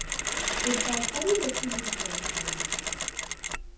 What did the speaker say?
এর পরপরই West Indies গমন করেন।